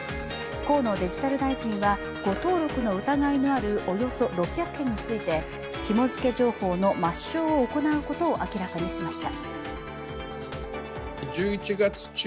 河野デジタル大臣は誤登録の疑いのあるおよそ６００件について、ひも付け情報の抹消を行うことを明らかにしました。